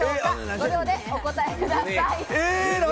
５秒でお答えください。